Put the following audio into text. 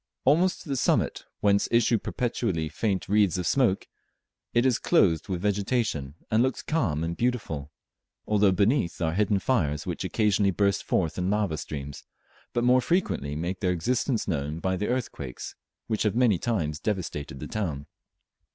Almost to the summit, whence issue perpetually faint wreaths of smoke, it is clothed with vegetation, and looks calm and beautiful, although beneath are hidden fires which occasionally burst forth in lava streams, but more frequently make their existence known by the earthquakes which have many times devastated the town.